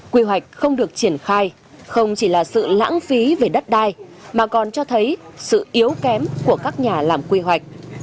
quy hoạch không được triển khai không chỉ là sự lãng phí về đất đai mà còn cho thấy sự yếu kém của các nhà làm quy hoạch